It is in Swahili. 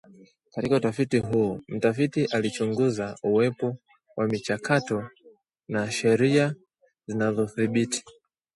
Katika utafiti huu mtafiti alichunguza uwepo wa michakato na sheria zinazodhibiti